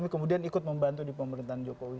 kemudian ikut membantu di pemerintahan jokowi